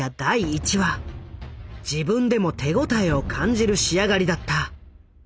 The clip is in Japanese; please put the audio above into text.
自分でも手応えを感じる仕上がりだった。